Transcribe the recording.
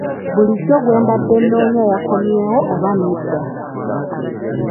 Bulijjo gwe mbadde noonya yakomyewo oba nedda?